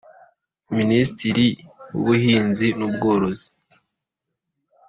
Minisitiri w ubuhinzi n ubworozi